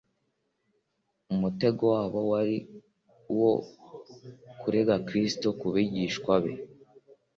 Umutego wabo wari uwo kurega Kristo ku bigishwa be,